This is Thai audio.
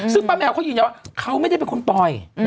ซึ่งป้าแมวเขายืนยันว่าเขาไม่ได้เป็นคนปล่อย